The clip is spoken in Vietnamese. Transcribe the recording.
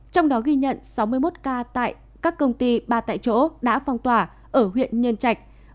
trong đó ghi nhận sáu mươi một ca tại các công ty ba tại chỗ đã phong tỏa ở huyện nhân trạch